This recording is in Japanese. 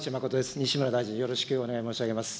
西村大臣、よろしくお願いいたします。